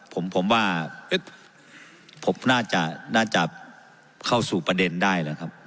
ผมว่าผมน่าจะเข้าสู่ประเด็นได้แล้วครับ